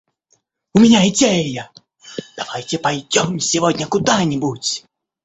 У меня идея - давайте пойдем сегодня куда-нибудь?